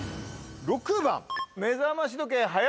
６番。